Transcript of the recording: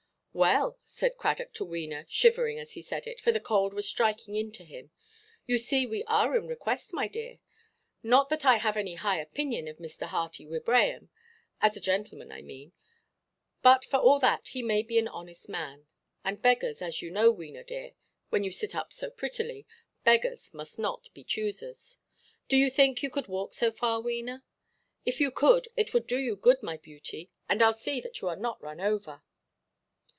"Well," said Cradock to Wena, shivering as he said it, for the cold was striking into him, "you see we are in request, my dear. Not that I have any high opinion of Mr. Hearty Wibraham; as a gentleman, I mean. But for all that he may be an honest man. And beggars—as you know, Wena, dear, when you sit up so prettily—beggars must not be choosers. Do you think you could walk so far, Wena? If you could, it would do you good, my beauty; and Iʼll see that you are not run over."